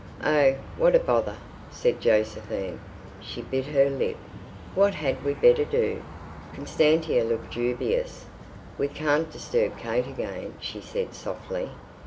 "Oh, what a bother!" said Josephine. She bit her lip. "What had we better do?" Constantia looked dubious. "We can't disturb Kate again," she said softly.